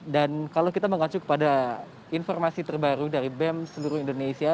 dan kalau kita mengacu kepada informasi terbaru dari bem seluruh indonesia